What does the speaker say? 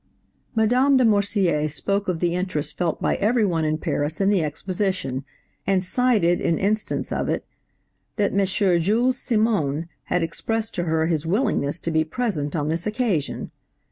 "Madame de Morsier spoke of the interest felt by every one in Paris in the Exposition, and cited in instance of it, that M. Jules Simon had expressed to her his willingness to be present on this occasion.